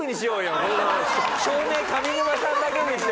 照明上沼さんだけにして。